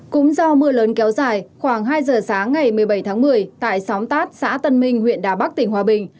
cũng do mưa lớn kéo dài khoảng hai giờ sáng ngày một mươi bảy tháng một mươi tại xóm tát xã tân minh huyện đà bắc tỉnh hòa bình